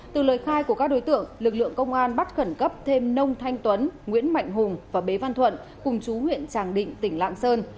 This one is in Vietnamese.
từ lời khai của các đối tượng lực lượng công an bắt khẩn cấp thêm nông thanh tuấn nguyễn mạnh hùng và bế văn thuận cùng chú huyện tràng định tỉnh lạng sơn